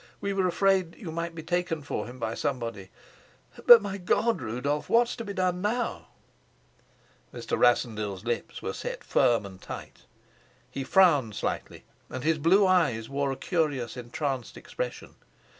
"We were afraid you might be taken for him by somebody. But, my God, Rudolf, what's to be done now?" Mr. Rassendyll's lips were set firm and tight. He frowned slightly, and his blue eyes wore a curious entranced expression.